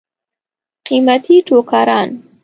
قیمتي ټوکران.